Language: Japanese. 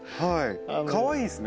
かわいいですね。